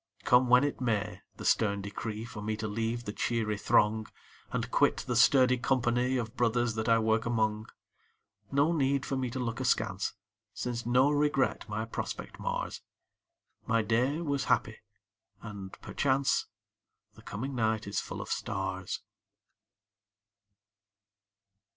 Come when it may, the stern decree For me to leave the cheery throng And quit the sturdy company Of brothers that I work among. No need for me to look askance, Since no regret my prospect mars. My day was happy and perchance The coming night is full of stars.